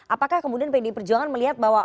apakah kemudian pdi perjuangan melihat bahwa